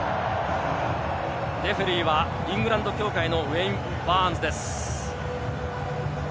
レフェリーはイングランド協会のウェイン・バーンズです。